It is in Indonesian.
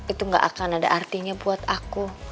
itu gak akan ada artinya buat aku